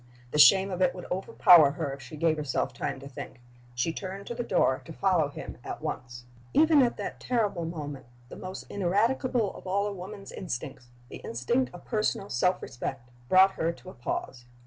The shame of it would overpower her if she gave herself time to think. She turned to the door to follow him at once. Even at that terrible moment the most ineradicable of all a woman's instincts the instinct of personal self respect brought her to a pause.